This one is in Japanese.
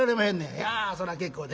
「いやそら結構で。